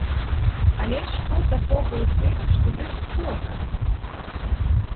Але ж што такога ў тым, што ёсць фота?